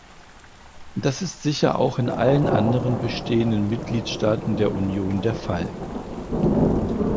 Das ist sicher auch in allen anderen bestehenden Mitgliedstaaten der Union der Fall.